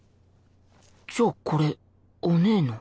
じゃあこれおねえの